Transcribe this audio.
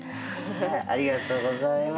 ありがとうございます。